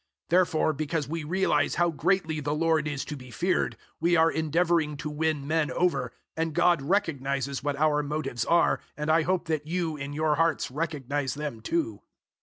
005:011 Therefore, because we realize how greatly the Lord is to be feared, we are endeavouring to win men over, and God recognizes what our motives are, and I hope that you, in your hearts, recognize them too.